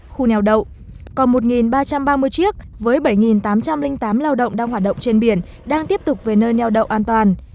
khu neo đậu còn một ba trăm ba mươi chiếc với bảy tám trăm linh tám lao động đang hoạt động trên biển đang tiếp tục về nơi neo đậu an toàn